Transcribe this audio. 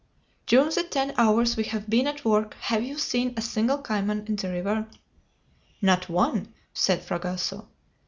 During the ten hours we have been at work have you seen a single cayman in the river?" "Not one," said Fragoso.